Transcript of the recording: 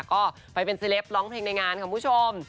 ก็ไปเป็นเซเลปร์ร้องเพลงในงานของผู้ชม